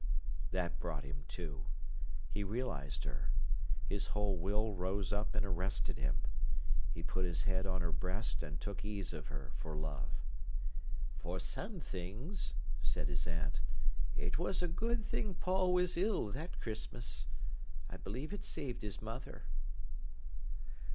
That brought him to. He realised her. His whole will rose up and arrested him. He put his head on her breast, and took ease of her for love. "For some things," said his aunt, "it was a good thing Paul was ill that Christmas. I believe it saved his mother."